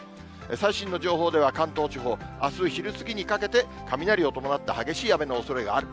最新の情報では、関東地方、あす昼過ぎにかけて、雷を伴った激しい雨のおそれがある。